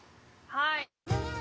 はい。